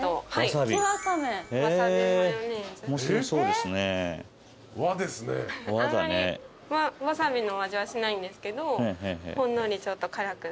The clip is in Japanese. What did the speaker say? あんまりワサビの味はしないんですけどほんのりちょっと辛くって。